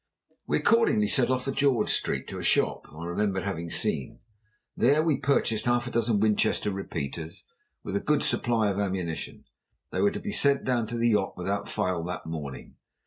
We accordingly set off for George Street to a shop I remembered having seen. There we purchased half a dozen Winchester repeaters, with a good supply of ammunition. They were to be sent down to the yacht without fail that morning.